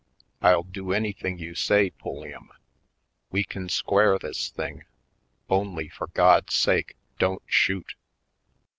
I'll do anything you say, Pulliam — we can square this thing! Only, for God's sake, don't shoot!"